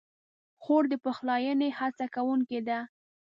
خور د پخلاینې هڅه کوونکې ده.